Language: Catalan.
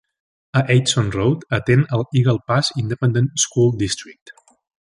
A Eidson Road atén el Eagle Pass Independent School District.